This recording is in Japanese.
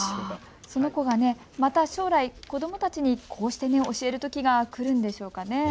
その子がまた将来、子どもたちにこうして教えるときが来るんでしょうかね。